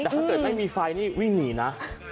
แต่ถ้าเกิดไม่มีไฟนี่วิ่งหนีนะ